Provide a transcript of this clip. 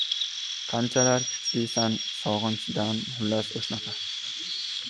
Qanchalar kuchlisan sog‘inchdan